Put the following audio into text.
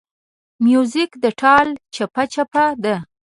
موزیک د ټال چپهچپه ده.